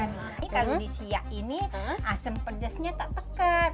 ini kan di siak ini asam pedasnya tak tekat